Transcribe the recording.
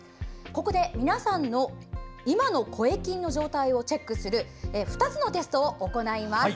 ここで皆さんの今の声筋の状態をチェックする２つのテストを行います。